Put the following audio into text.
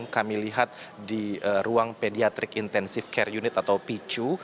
kami lihat di ruang pediatric intensive care unit atau picu